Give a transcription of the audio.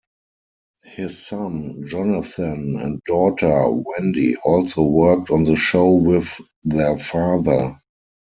His son, Jonathan, and daughter, Wendy, also worked on the show with their father.